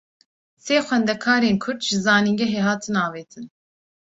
Sê xwendekarên Kurd, ji zanîngehê hatin avêtin